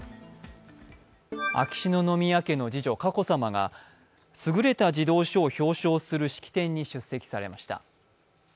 秋篠宮家の次女・佳子さまが優れた児童書を表彰する式典に出席されました。